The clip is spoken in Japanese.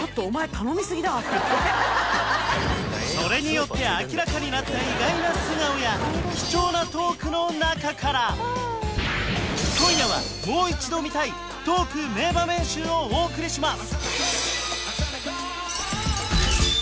それによって明らかになった意外な素顔や貴重なトークの中から今夜はもう一度見たいトーク名場面集をお送りします！